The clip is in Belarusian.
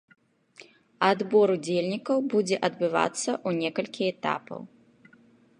Адбор удзельнікаў будзе адбывацца ў некалькі этапаў.